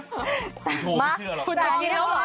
กระทงไม่เชื่อหรอก